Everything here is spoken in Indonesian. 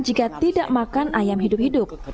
jika tidak makan ayam hidup hidup